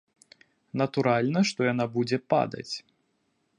Натуральна, што яна будзе падаць.